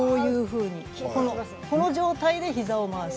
この状態で膝を回す。